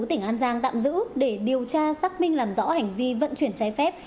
tỉnh an giang tạm giữ để điều tra xác minh làm rõ hành vi vận chuyển trái phép